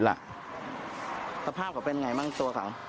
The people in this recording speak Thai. สับพาทเขาเป็นไงบ้างตัว